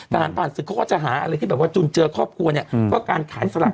ผ่านศึกเขาก็จะหาอะไรที่แบบว่าจุนเจอครอบครัวเนี่ยก็การขายสลัก